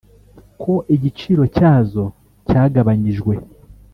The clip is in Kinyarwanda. ko igiciro cyazo cyagabanyijwe